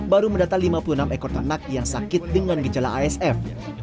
baru mendata lima puluh enam ekor ternak yang sakit dengan gejala asf